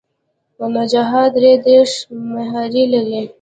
نخاع درې دیرش مهرې لري.